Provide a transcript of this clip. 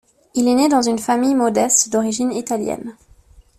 Il est né dans une famille modeste d'origine italienne.